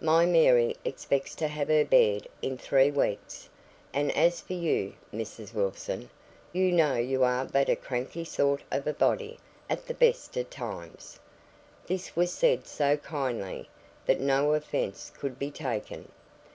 My Mary expects to have her bed in three weeks; and as for you, Mrs. Wilson, you know you're but a cranky sort of a body at the best of times." This was said so kindly, that no offence could be taken.